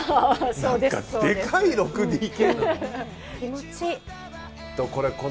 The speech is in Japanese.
なんかでかい６ＤＫなのよ。